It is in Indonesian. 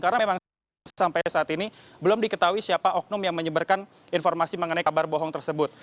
karena memang sampai saat ini belum diketahui siapa oknum yang menyeberkan informasi mengenai kabar bohong tersebut